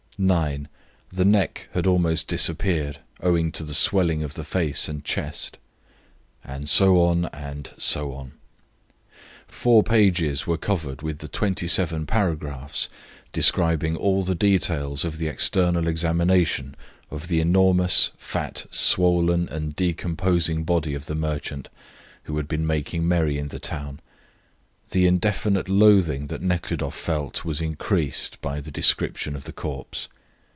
"9. The neck had almost disappeared, owing to the swelling of the face and chest." And so on and so on. Four pages were covered with the 27 paragraphs describing all the details of the external examination of the enormous, fat, swollen, and decomposing body of the merchant who had been making merry in the town. The indefinite loathing that Nekhludoff felt was increased by the description of the corpse.